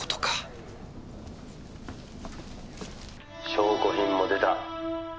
「証拠品も出た。